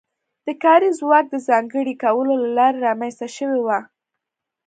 د کاري ځواک د ځانګړي کولو له لارې رامنځته شوې وه.